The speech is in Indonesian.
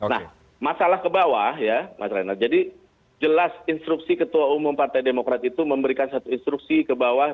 nah masalah ke bawah ya mas renat jadi jelas instruksi ketua umum partai demokrat itu memberikan satu instruksi ke bawah